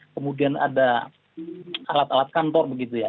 kemudian ada alat alat kantor begitu ya